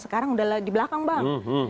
sekarang udah di belakang bang